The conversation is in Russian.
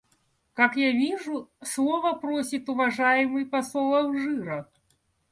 Как я вижу, слова просит уважаемый посол Алжира.